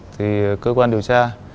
thì cơ quan điều tra